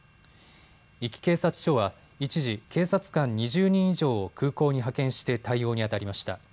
壱岐警察署は一時、警察官２０人以上を空港に派遣して対応にあたりました。